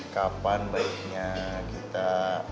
kapan baiknya kita